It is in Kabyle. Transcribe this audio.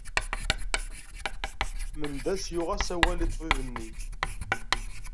Mendas yuɣ-as awal i ṭṭbib-nn.